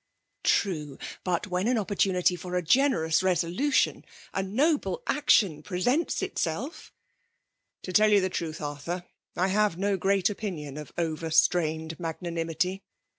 *' True ! but when an opportunity for a generous resolution — a noble action presents itself?" " To tell you the truths Arthur, I have no great opinion of over strained magnanimity.